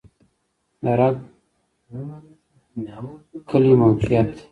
د رګ کلی موقعیت